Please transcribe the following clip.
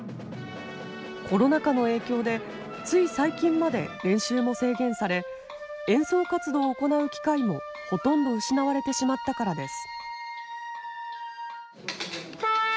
コロナ禍の影響でつい最近まで練習も制限され演奏活動を行う機会もほとんど失われてしまったからです。